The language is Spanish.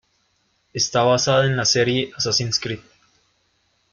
Está basada en la serie "Assassin's Creed".